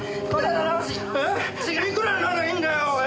いくらならいいんだよおい！